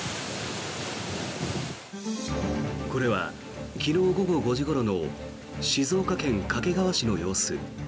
これは、昨日午後５時ごろの静岡県掛川市の様子。